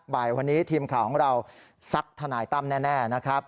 บ่ายวันนี้ทีมข่าวของเราซักทนายตั้มแน่นะครับ